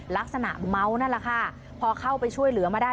ลักษณะเมานั่นแหละค่ะพอเข้าไปช่วยเหลือมาได้